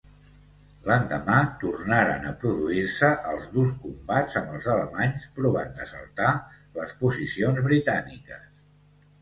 L'endemà tornaren a produir-se els durs combats, amb els alemanys provant d'assaltar les posicions britàniques.